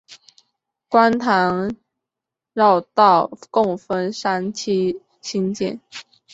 观塘绕道共分三期兴建。